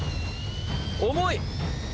重い！